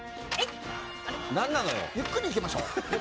ゆっくりいきましょう。